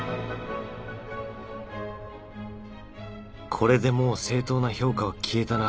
これでもう正当な評価は消えたな